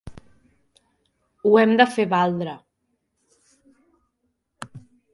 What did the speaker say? O hem de fer valdre